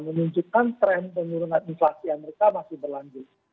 menunjukkan tren penurunan inflasi amerika masih berlanjut